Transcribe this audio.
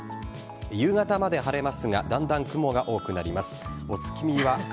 夕方まで晴れますがだんだん雲が多くなります。